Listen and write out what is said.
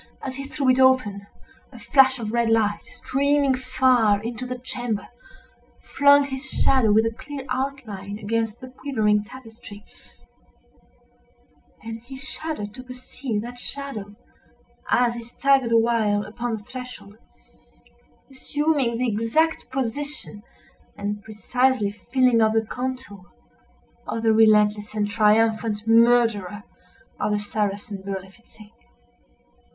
As he threw it open, a flash of red light, streaming far into the chamber, flung his shadow with a clear outline against the quivering tapestry, and he shuddered to perceive that shadow—as he staggered awhile upon the threshold—assuming the exact position, and precisely filling up the contour, of the relentless and triumphant murderer of the Saracen Berlifitzing.